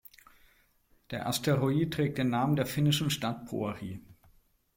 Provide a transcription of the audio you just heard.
Der Asteroid trägt den Namen der finnischen Stadt Pori.